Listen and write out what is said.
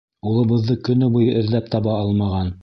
Улыбыҙҙы көнө буйы эҙләп таба алмаған.